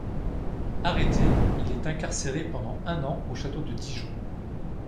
Arrêté, il est incarcéré pendant un an au château de Dijon.